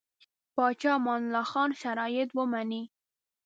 پاچا امان الله خان شرایط ومني.